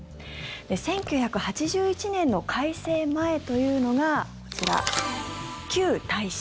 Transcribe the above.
１９８１年の改正前というのがこちら、旧耐震。